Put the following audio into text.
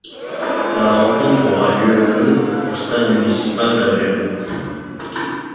La rencontre aura lieu le au stade municipal d'Aveiro.